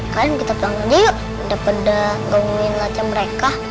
kalian kita pelanggan aja yuk beda beda gangguin aja mereka